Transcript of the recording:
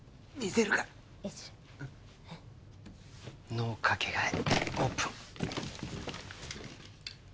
ＮＯかけがえオープン。